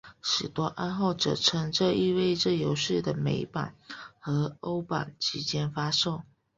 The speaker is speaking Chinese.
许多爱好者称这意味这游戏的美版和欧版即将发售。